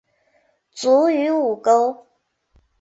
卒于午沟。